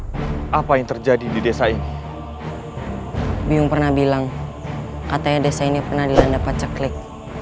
hai apa yang terjadi di desa ini biung pernah bilang katanya desainya pernah dilanda pacaklik